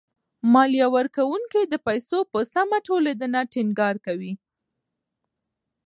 ماليه ورکوونکي د پيسو په سمه ټولېدنه ټېنګار کوي.